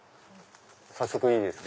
早速いいですか。